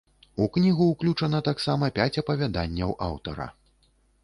У кнігу ўключана таксама пяць апавяданняў аўтара.